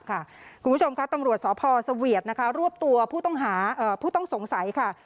คุณผู้ชมตำรวจสพสเวียดรวบตัวผู้ต้องสงสัย